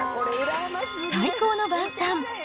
最高の晩さん。